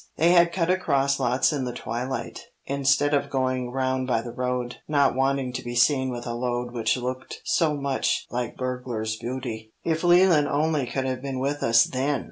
They had cut across lots in the twilight, instead of going around by the road, not wanting to be seen with a load which looked so much like burglar's booty. "If Leland only could have been with us then!"